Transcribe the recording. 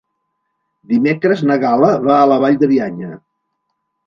Dimecres na Gal·la va a la Vall de Bianya.